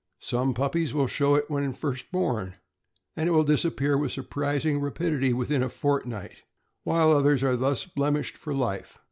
Some puppies will show it when first born, and it will dis appear with surprising rapidity within a fortnight, while others are thus blemished for life.